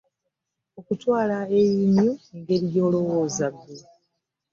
Okutwala ebinyu engeri jolowooza gwe .